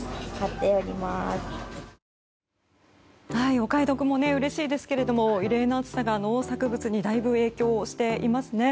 お買い得もうれしいですけども異例の暑さが農作物にだいぶ影響していますね。